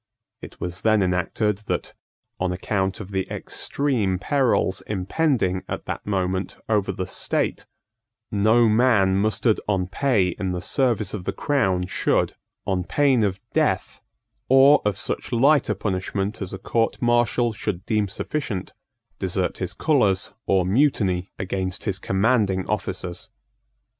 It was then enacted that, on account of the extreme perils impending at that moment over the state, no man mustered on pay in the service of the crown should, on pain of death, or of such lighter punishment as a court martial should deem sufficient, desert his colours or mutiny against his commanding officers.